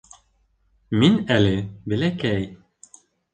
Мин әле бәләкәй...